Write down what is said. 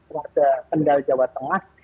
raja kendal jawa tengah